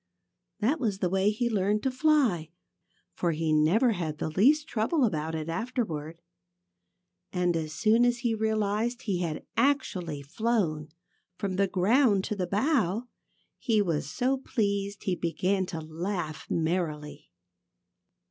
That was the way he learned to fly, for he never had the least trouble about it afterward. And as soon as he realized that he had actually flown from the ground to the bough he was so pleased that he began to laugh merrily.